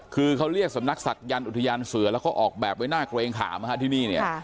คือเขาเรียกสำนักศักยันต์อุทยานเสือแล้วก็ออกแบบไว้หน้าเกรงขามที่นี่เนี่ย